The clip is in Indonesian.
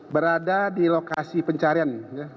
berada di lokasi pencarian